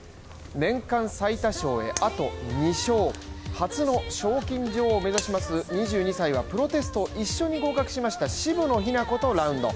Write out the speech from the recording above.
年間最多勝へあと２勝、初の賞金女王を目指す２２歳はプロテスト一緒に合格しました渋野日向子とラウンド。